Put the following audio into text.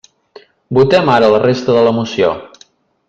Votem ara la resta de la moció.